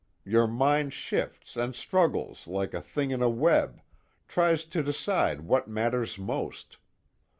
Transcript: Your mind shifts and struggles like a thing in a web, tries to decide what matters most.